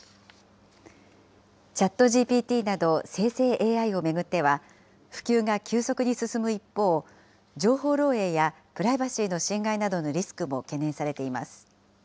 ＣｈａｔＧＰＴなど生成ＡＩを巡っては、普及が急速に進む一方、情報漏えいやプライバシーの侵害などのリスクも懸念されています。